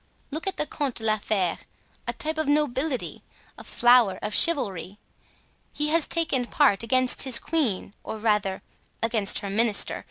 Look at the Comte de la Fere, a type of nobility, a flower of chivalry. He has taken part against his queen, or rather, against her minister.